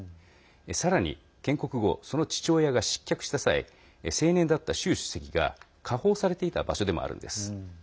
さらに建国後その父親が失脚した際青年だった習主席が下放されていた場所でもあるんです。